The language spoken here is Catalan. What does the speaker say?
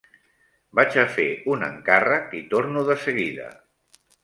Vaig a fer un encàrrec i torno de seguida.